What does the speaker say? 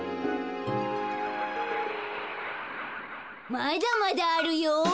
まだまだあるよ。